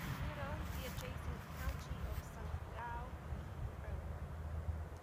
They had owned the adjacent County of Sundgau even earlier.